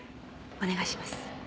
お願いします。